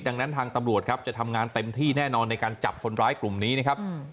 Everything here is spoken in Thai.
ดังนั้นทางตำรวจครับจะทำงานเต็มที่แน่นอนในการจับคนร้ายกลุ่มนี้นะครับ